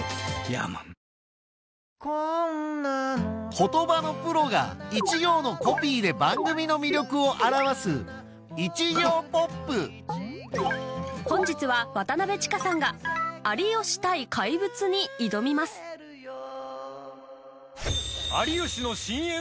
言葉のプロが一行のコピーで番組の魅力を表す本日は渡千佳さんが『有吉対怪物』に挑みますそうそう。